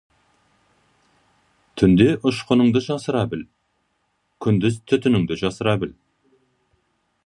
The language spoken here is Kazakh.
Түнде ұшқыныңды жасыра біл, күндіз түтініңді жасыра біл.